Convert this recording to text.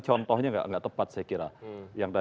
contohnya nggak tepat saya kira